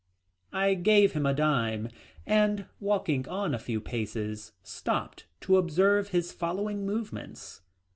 I gave him a dime and walking on a few paces stopped to observe his following movements.